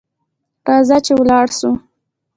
راځه چي ولاړ سو .